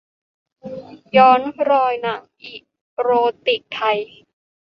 ย้อนรอยหนังอีโรติกไทย